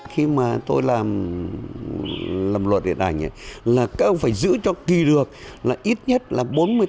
khi mà tôi làm luật điện ảnh là các ông phải giữ cho kỳ được là ít nhất là bốn mươi tám